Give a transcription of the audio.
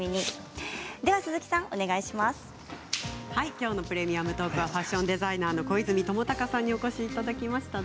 きょうの「プレミアムトーク」はファッションデザイナーの小泉智貴さんにお越しいただきました。